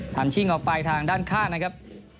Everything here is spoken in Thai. ชิ่งออกไปทางด้านข้างนะครับ